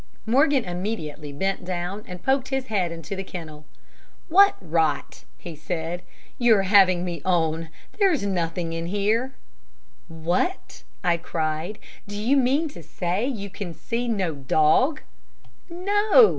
Morgan immediately bent down and poked his head into the kennel. "What rot," he said. "You're having me on, there's nothing here." "What!" I cried, "do you mean to say you can see no dog?" "No!"